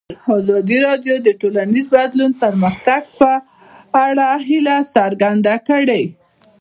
ازادي راډیو د ټولنیز بدلون د پرمختګ په اړه هیله څرګنده کړې.